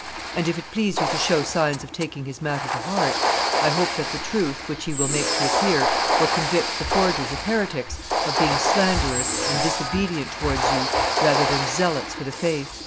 And if it please you to show signs of taking his matter to heart, I hope that the truth, which he will make to appear, will convict the forgers of heretics of being slanderers and disobedient towards you rather than zealots for the faith."